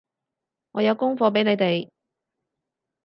我有功課畀你哋